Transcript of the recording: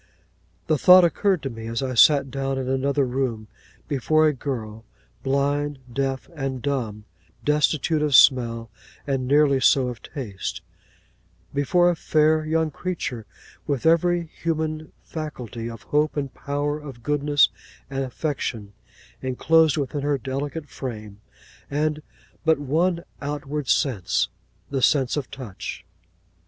The thought occurred to me as I sat down in another room, before a girl, blind, deaf, and dumb; destitute of smell; and nearly so of taste: before a fair young creature with every human faculty, and hope, and power of goodness and affection, inclosed within her delicate frame, and but one outward sense—the sense of touch.